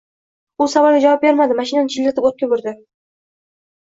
U savolga javob bermadi, mashinani chiyillatib ortga burdi